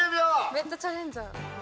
めっちゃチャレンジャー！